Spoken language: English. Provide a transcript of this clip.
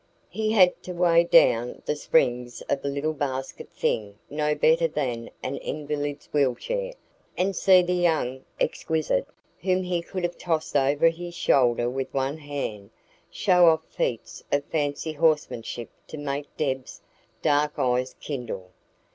He had to weigh down the springs of a little basket thing no better than an invalid's wheel chair, and see the young exquisite, whom he could have tossed over his shoulder with one hand, show off feats of fancy horsemanship to make Deb's dark eyes kindle.